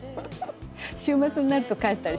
週末になると帰ったりして。